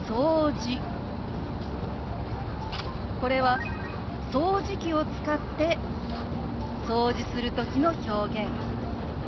これは掃除機を使って掃除する時の表現。